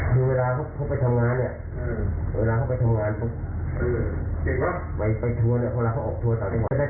เห็นใจค่ะเห็นใจแม่เขามากกว่าเพราะว่าแม่เขาบ่อยเป็นเรื่องหัวใจ